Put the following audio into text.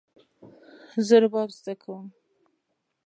زه رباب زده کوم